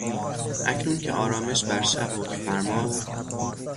اکنون که آرامش بر شب حکفرماست